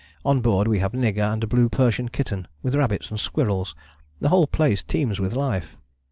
On board we have Nigger and a blue Persian kitten, with rabbits and squirrels. The whole place teems with life.